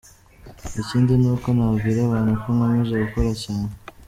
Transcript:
Ikindi nuko nabwira abantu ko nkomeje gukora cyane.